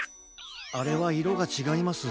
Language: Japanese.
あれはいろがちがいます。